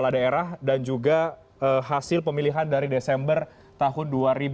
dan juga hasil pemilihan dari desember tahun dua ribu lima belas